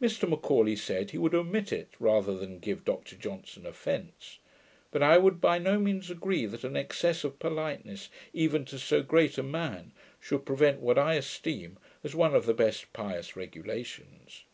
Mr M'Aulay said, he would omit it, rather than give Dr Johnson offence: but I would by no means agree that an excess of politeness, even to so great a man, should prevent what I esteem as one of the best pious regulations.